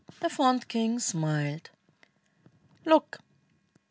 The fond king smiled; "Look!